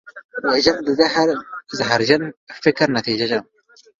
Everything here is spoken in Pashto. وژنه د ذهن زهرجن فکر نتیجه ده